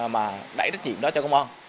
mà đẩy trách nhiệm đó cho công an